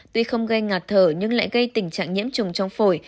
tuy không gây ngạt thở nhưng lại gây tình trạng nhiễm trùng trong phổi